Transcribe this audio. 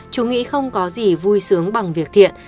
chú nghĩ không có gì vui sướng bằng việc thiện